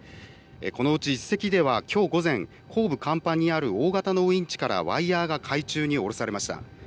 このうち１隻ではきょう午前、後部甲板にある大型のウインチからワイヤーが海中に下ろされました。